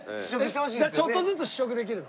ちょっとずつ試食できるの？